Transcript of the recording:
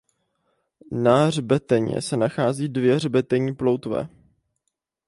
Na hřbetě se nacházejí dvě hřbetní ploutve.